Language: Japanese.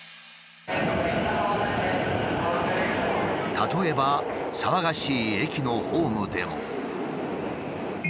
例えば騒がしい駅のホームでも。